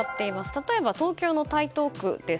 例えば東京の台東区です。